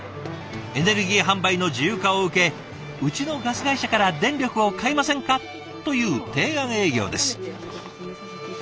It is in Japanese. エネルギー販売の自由化を受けうちのガス会社から電力を買いませんか？という提案営業です。